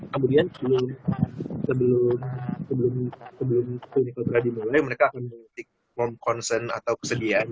kemudian sebelum clinical trial dimulai mereka akan menggunakan consent atau kesediaan